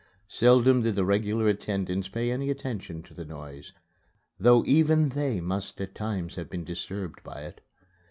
Seldom did the regular attendants pay any attention to the noise, though even they must at times have been disturbed by it.